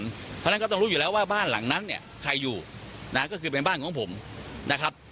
เพราะฉะนั้นก็ต้องรู้อยู่แล้วว่าบ้านหลังนั้นเนี่ยใครอยู่นะก็คือเป็นบ้านของผมนะครับ